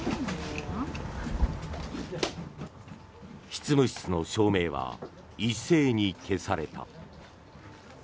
執務室の照明は一斉に消された。